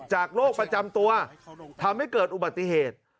โรคประจำตัวทำให้เกิดอุบัติเหตุ